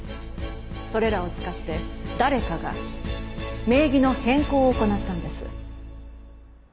それらを使って誰かが名義の変更を行ったんです。